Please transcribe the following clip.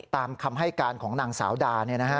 ตามคำให้การของนางสาวดา